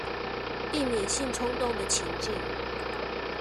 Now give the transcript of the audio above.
避免性衝動的情境